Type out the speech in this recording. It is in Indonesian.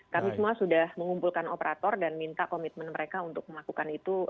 kami semua sudah mengumpulkan operator dan minta komitmen mereka untuk melakukan itu